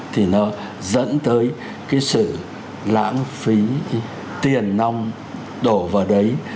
thì nó dẫn tới cái sự lãng phí tiền nông đổ vào đấy